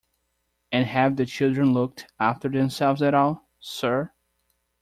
And have the children looked after themselves at all, sir?